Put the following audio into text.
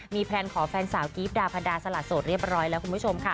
มีแพลนขอแฟนสาวกิฟต์ดาพดาสละโสดเรียบร้อยแล้วคุณผู้ชมค่ะ